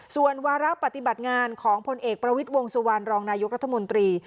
ส่วนวาระปฏิบัติงานของพลเอกประวิทย์วงสุวรรณรองนายกรัฐมนตรี